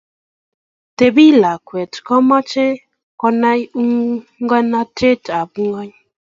Tebei lakwet, komochei konai ungotikab ngwony